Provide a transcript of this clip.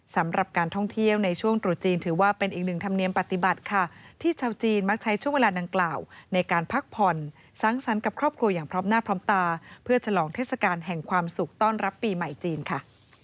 สำหรับการท่องเที่ยวในช่วงตรุษจีนถือว่าเป็นอีกหนึ่งธรรมเนียมปฏิบัติค่ะที่ชาวจีนมักใช้ช่วงเวลาดังกล่าวในการพักผ่อนสังสรรค์กับครอบครัวอย่างพร้อมหน้าพร้อมตาเพื่อฉลองเทศกาลแห่งความสุขต้อนรับปีใหม่จีนค่ะ